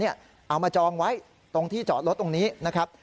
เอามาจองไว้ตรงที่จอดรถตรงนี้นะครับ